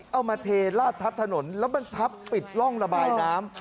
เอามาเทลาดทับถนนแล้วมันทับปิดร่องระบายน้ำ